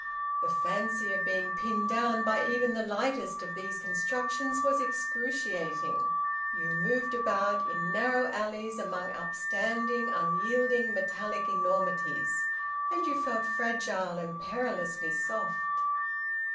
The fancy of being pinned down by even the lightest of these constructions was excruciating. You moved about in narrow alleys among upstanding, unyielding metallic enormities, and you felt fragile and perilously soft.